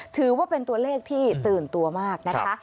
ถือว่าเป็นตัวเลขที่ตื่นตัวมากนะคะ